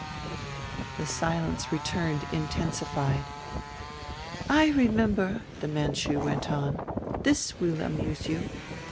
The silence returned intensified. "I remember," the Manchu went on, "this will amuse you.